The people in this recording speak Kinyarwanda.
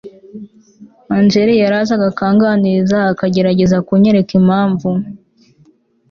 Angel yarazaga akanganiriza akagerageza kunyereka impamvu